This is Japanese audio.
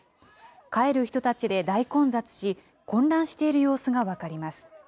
帰る人たちで大混雑し、混乱している様子が分かります。